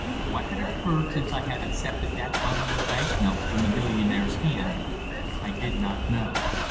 What had occurred since I had accepted that bundle of bank notes from the millionaire's hand I did not know.